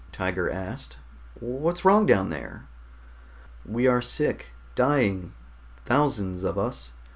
Tiger asked. "What's wrong down there?" "We are sick, dying, thousands of us.